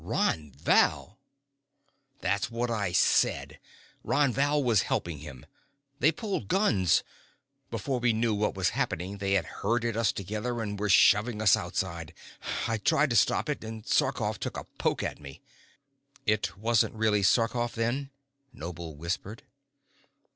"Ron Val!" "That's what I said. Ron Val was helping him. They pulled guns. Before we knew what was happening, they had herded us together and were shoving us outside. I tried to stop it and Sarkoff took a poke at me." "It wasn't really Sarkoff, then?" Noble whispered.